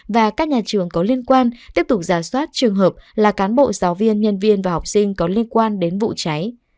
và các nhà trường có liên quan tiếp tục giả soát trường hợp là cán bộ giáo viên nhân viên và học sinh có liên quan đến vụ cháy